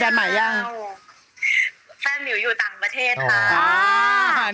แฟนหมิวอยู่ต่างประเทศ